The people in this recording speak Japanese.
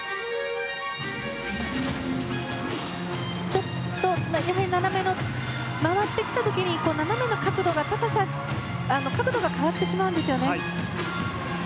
ちょっと回ってきた時に斜めの角度、高さが変わってしまうんですよね。